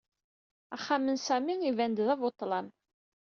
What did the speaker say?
Axxam n Sami iban-d d abuḍḍlam.